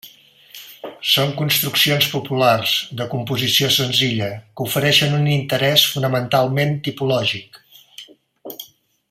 Són construccions populars, de composició senzilla, que ofereixen un interès fonamentalment tipològic.